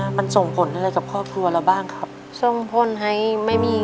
ก็มันส่งผลได้อะไรกับค่ะกรัวบ้างครับ